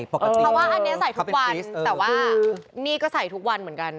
เพราะว่าอันนี้ใส่ทุกวันแต่ว่านี่ก็ใส่ทุกวันเหมือนกัน